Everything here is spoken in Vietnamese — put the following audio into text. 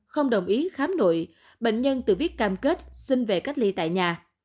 không đồng ý khám nội bệnh nhân tự viết cam kết xin về cách ly tại nhà